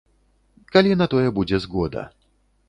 Калі на тое будзе згода.